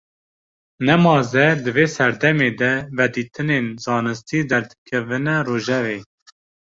Nemaze di vê serdemê de, vedîtinên zanistî derdikevine rojevê